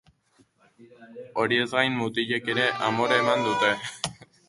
Horiez gain, mutilek ere amore eman dute.